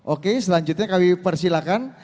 oke selanjutnya kami persilahkan